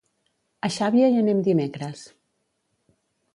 A Xàbia hi anem dimecres.